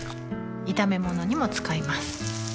炒め物にも使います